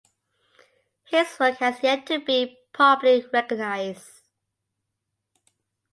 His work has yet to be properly recognised.